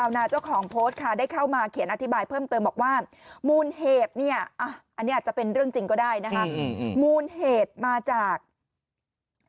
อันนี้อาจเป็นเรื่องจริงก็ได้นะครับ